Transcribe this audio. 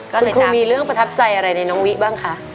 ก็เลยมีเรื่องประทับใจอะไรในน้องวิบ้างคะ